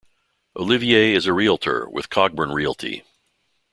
Olivier is a Realtor with Cogburn Realty.